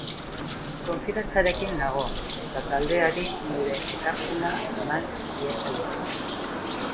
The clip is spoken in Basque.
Konfidantzarekin nago eta taldeari neure ekarpena eman diezaioket.